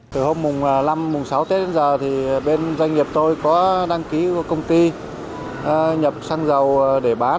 từ hôm mùng sáu tết đến giờ thì bên doanh nghiệp tôi có đăng ký công ty nhập xăng dầu để bán